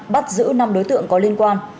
bắt giữ năm đối tượng có liên quan